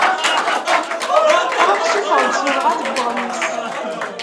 Ruḥ sufeɣ-d tullɣa deg uɣmis.